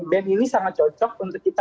band ini sangat cocok untuk kita